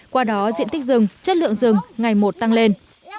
qua đó diện tích rừng chất lượng rừng ngày một tăng lên